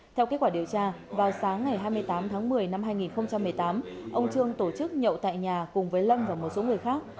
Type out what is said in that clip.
theo kết quả điều tra vào sáng ngày hai mươi tám tháng một mươi năm hai nghìn một mươi tám ông trương tổ chức nhậu tại nhà cùng với lâm và một số người khác